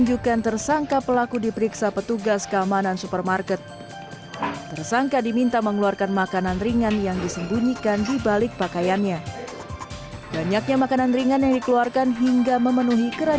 yang dipergoki pada saat itu lalu mencurigakan